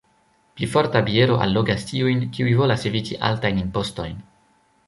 Pli forta biero allogas tiujn, kiuj volas eviti altajn impostojn.